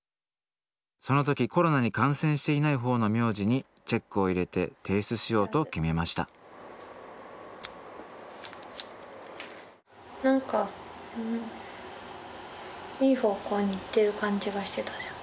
その時コロナに感染していない方の名字にチェックを入れて提出しようと決めましたなんかいい方向に行ってる感じがしてたじゃん。